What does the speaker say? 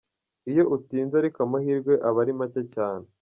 Iyo utinze ariko amahirwe aba ari make cyane.